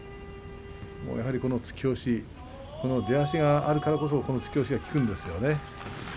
突き押し、この出足があるからこそ突き押しが効くんですよ。